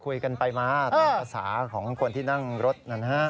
คุยกันไปมาตามภาษาของคนที่นั่งรถนะฮะ